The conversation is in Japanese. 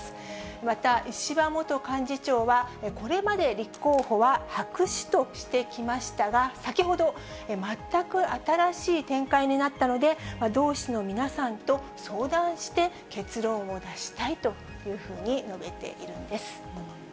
また石破元幹事長は、これまで立候補は白紙としてきましたが、先ほど、全く新しい展開になったので、同志の皆さんと相談して結論を出したいというふうに述べているんです。